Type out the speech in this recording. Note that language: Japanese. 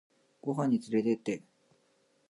ご飯につれてって